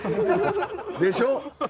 でしょ！